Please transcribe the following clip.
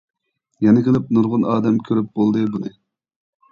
يەنە كېلىپ نۇرغۇن ئادەم كۆرۈپ بولدى بۇنى.